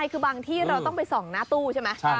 คือบางที่เราต้องไปส่องหน้าตู้ใช่ไหม